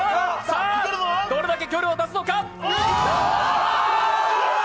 さぁ、どれだけ距離を出すのか。